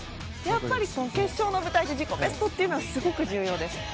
やっぱり、決勝の舞台で自己ベストというのはすごく重要です。